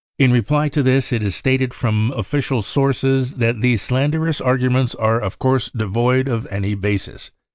" In reply to this it is stated from official sources that these slanderous arguments are of course devoid of any basis.